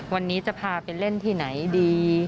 วันนี้จะพาไปเล่นที่ไหนดี